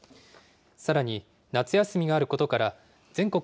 さらに、夏休みがあることから、全国